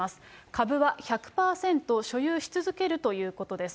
株は１００％所有し続けるということです。